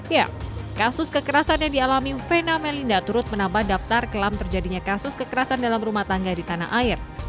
ya kasus kekerasan yang dialami vena melinda turut menambah daftar kelam terjadinya kasus kekerasan dalam rumah tangga di tanah air